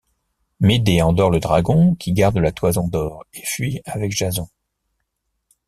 Médée endort le dragon qui garde la Toison d'or et fuit avec Jason.